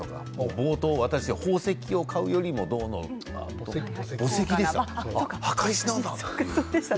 冒頭の私宝石を買うよりもというより墓石でした。